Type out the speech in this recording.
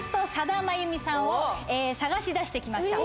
さんを探し出して来ました。